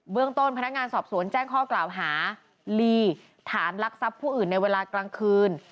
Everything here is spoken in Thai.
เรื่องต้นพนักงานสอบสวนแจ้งข้อกล่าวหาลีฐานลักทรัพย์ผู้อื่นในเวลากลางคืน